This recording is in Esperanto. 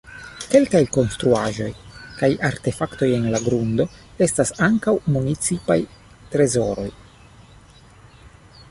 Kelkaj konstruaĵoj kaj artefaktoj en la grundo estas ankaŭ municipaj trezoroj.